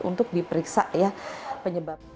untuk diperiksa ya penyebab